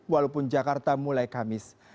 walaupun jakarta mulai kamis